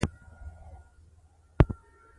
څوک چې يو قام په پوره ډول وروکول غواړي